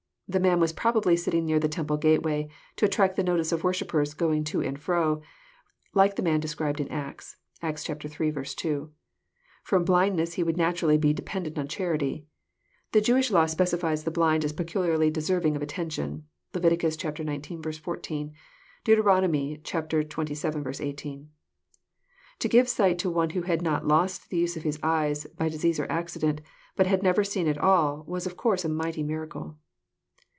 '] The man was probably sitting near the temple gateway, to attract the notice of wor shippers going to and fro, like the man described in Acts. (Acts Hi. 2.) From blindness he would naturally be dependent on charity. The Jewish law specifies the blind as peculiarly de serving of attention. (Levit. xix. 14; Deut. xxvii. 18.) To give sight to one who had not lost the use of his eyes by dis ease or accident, but had never seen at all, was of course a mighty miracle.